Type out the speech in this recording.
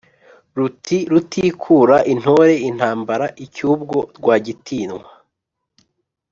Ruti rutikura intore intambara icy’ubwo Rwagitinywa,